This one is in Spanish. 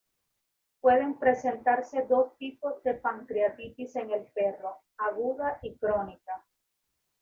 Pueden presentarse dos tipos de pancreatitis en el perro: aguda y crónica.